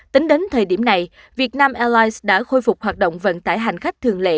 tính đến thời điểm này việt nam airlines đã khôi phục hoạt động vận tải hành khách thường lệ